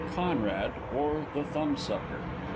CONRAD; OR, THE THUMBSUCKER.